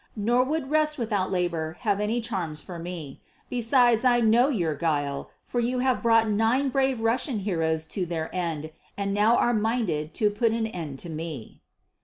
Nor would rest without labour have any charms for me. Besides I know your guile, for you have brought nine brave Russian heroes to their end and now are minded to put an end to me."